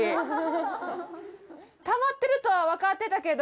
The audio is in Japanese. たまってるとは分かってたけど。